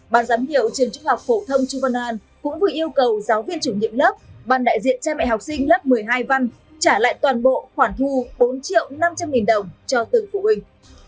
ban giám hiệu trường trung học phổ thông chu văn an cũng vừa yêu cầu giáo viên chủ nhiệm lớp ban đại diện cha mẹ học sinh lớp một mươi hai văn trả lại toàn bộ khoản thu bốn triệu năm trăm linh nghìn đồng cho từng phụ huynh